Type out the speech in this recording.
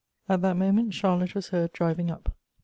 At that moment Charlotte was heard driving up.